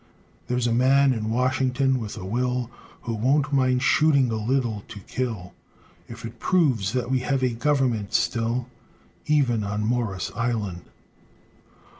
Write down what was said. There's a man in Washington with a will, Who won't mind shooting a little "to kill," If it proves that We Have a Government Still, Even on Morris' Island!